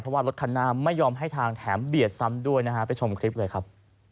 เพราะว่ารถคันหน้าไม่ยอมให้ทางแถมเบียดซ้ำด้วยนะฮะไปชมคลิปเลยครับ